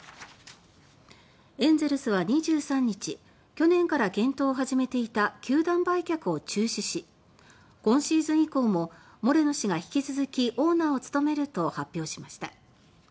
エンゼルスは２３日去年から検討を始めていた球団売却を中止し今シーズン以降もモレノ氏が引き続きオーナーを務めると発表しました。